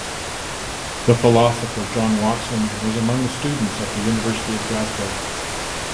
The philosopher John Watson was among his students at the University of Glasgow.